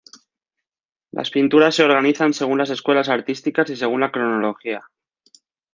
Las pinturas se organizan según las escuelas artísticas y según la cronología.